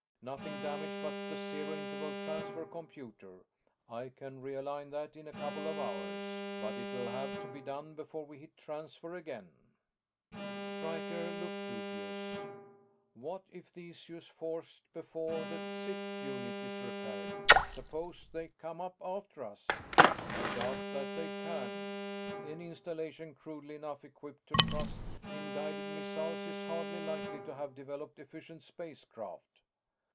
"Nothing damaged but the Zero Interval Transfer computer. I can realign that in a couple of hours, but it'll have to be done before we hit Transfer again." Stryker looked dubious. "What if the issue is forced before the ZIT unit is repaired? Suppose they come up after us?" "I doubt that they can. Any installation crudely enough equipped to trust in guided missiles is hardly likely to have developed efficient space craft."